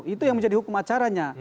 itu yang menjadi hukum acaranya